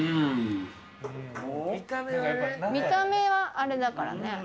見た目はあれだからね。